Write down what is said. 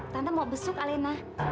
tante mau besuk alena